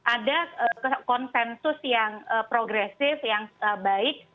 ada konsensus yang progresif yang baik